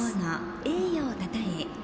栄誉をたたえ